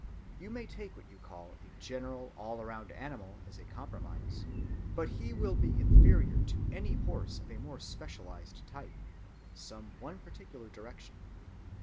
You may take what you call a general all‐round animal as a compromise, but he will be inferior to any horse of a more specialized type, in some one particular direction.